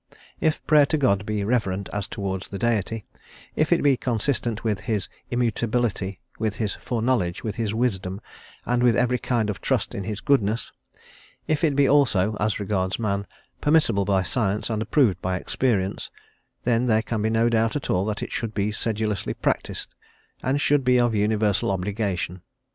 If Prayer to God be reverent as towards the Deity, if it be consistent with his immutability, with his foreknowledge, with his wisdom, and with every kind of trust in his goodness if it be also, as regards man, permissible by science, and approved by experience, then there can be no doubt at all that it should be sedulously practised, and should be of universal obligation.